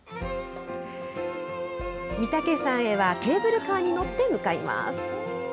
御岳山へはケーブルカーに乗って向かいます。